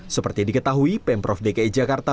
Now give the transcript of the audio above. seperti diketahui pemprov dki jakarta